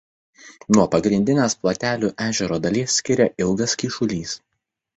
Nuo pagrindinės Platelių ežero dalies skiria ilgas kyšulys.